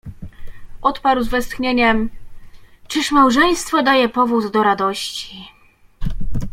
Odparł z westchnieniem: „Czyż małżeństwo daje powód do radości?”.